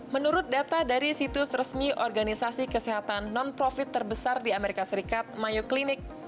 menurut data dari situs resmi organisasi kesehatan nonprofit terbesar di amerika serikat mayo clinic